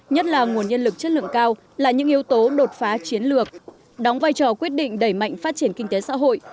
nhất là nguồn nhân lực chất lượng cao là những yếu tố đột phá chiến lược đóng vai trò quyết định đẩy mạnh phát triển kinh tế xã hội